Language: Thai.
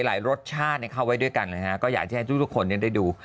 หลายรสชาติเข้าไว้ด้วยกันนะฮะก็อยากจะให้ทุกคนได้ดู